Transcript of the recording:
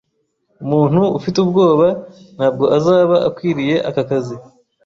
Umuntu ufite ubwoba ntabwo azaba akwiriye aka kazi